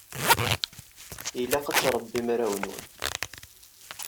Ilaq ad trebbim arraw-nwen.